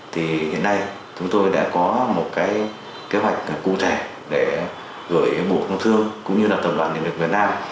thì hiện nay chúng tôi đã có một kế hoạch cụ thể để gửi bộ công thương cũng như tổng đoàn liên lực việt nam